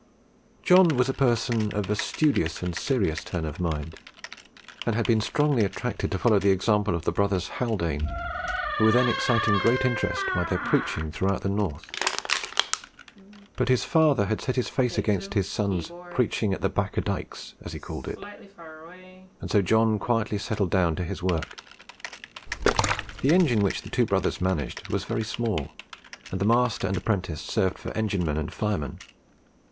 John was a person of a studious and serious turn of mind, and had been strongly attracted to follow the example of the brothers Haldane, who were then exciting great interest by their preaching throughout the North; but his father set his face against his son's "preaching at the back o' dikes," as he called it; and so John quietly settled down to his work. The engine which the two brothers managed was a very small one, and the master and apprentice served for engineman and fireman.